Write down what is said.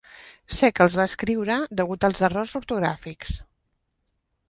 Sé que els va escriure degut als errors ortogràfics.